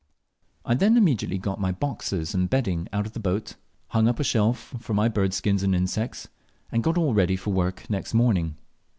I then immediately got my boxes and bedding out of the boat, hung up a shelf for my bird skins and insects, and got all ready for work next morning.